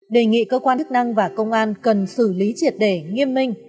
đề nghị cơ quan chức năng và công an cần xử lý triệt đề nghiêm minh